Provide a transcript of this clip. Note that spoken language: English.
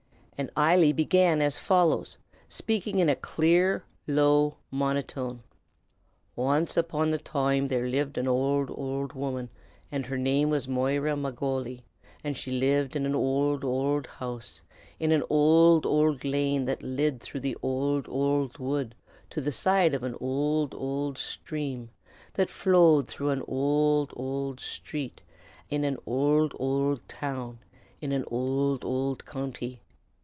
And Eily began as follows, speaking in a clear, low monotone: "Wanst upon a toime there lived an owld, owld woman, an' her name was Moira Magoyle; an' she lived in an owld, owld house, in an owld, owld lane that lid through an owld, owld wood be the side of an owld, owld shthrame that flowed through an owld, owld shthrate av an owld, owld town in an owld, owld county.